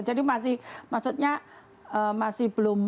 jadi masih maksudnya masih belum